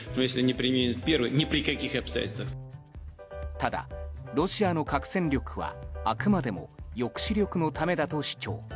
ただ、ロシアの核戦力はあくまでも抑止力のためだと主張。